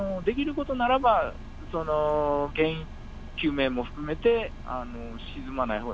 できることならば、原因究明も含めて、沈まないほうが。